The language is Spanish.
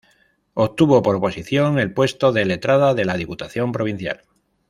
Obtuvo por oposición el puesto de letrada de la Diputación Provincial.